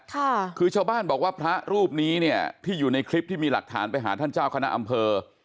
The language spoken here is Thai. ค่ะคือชาวบ้านบอกว่าพระรูปนี้เนี่ยที่อยู่ในคลิปที่มีหลักฐานไปหาท่านเจ้าคณะอำเภอ